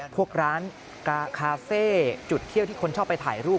พวกร้านกาคาเฟ่จุดเที่ยวที่คนชอบไปถ่ายรูป